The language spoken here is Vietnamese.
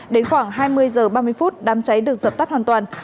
đến khoảng hai mươi h ba mươi phút đám cháy được dập tắt hoàn toàn